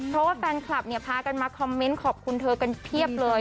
เพราะว่าแฟนคลับเนี่ยพากันมาคอมเมนต์ขอบคุณเธอกันเพียบเลย